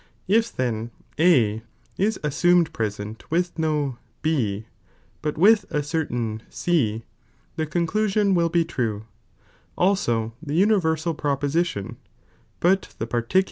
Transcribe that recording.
If then A is assumed present with no B, hut with a certain C, the con clusion will be true, also the universal proposition, but the particular will be false.